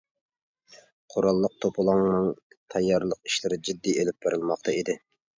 قوراللىق توپىلاڭنىڭ تەييارلىق ئىشلىرى جىددىي ئېلىپ بېرىلماقتا ئىدى.